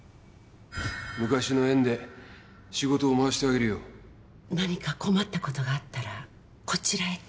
昔の縁で仕事を回し何か困ったことがあったらこちらへと。